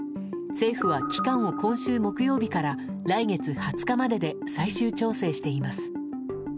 政府は期間を今週木曜日から来月２０日までで最終調整しています。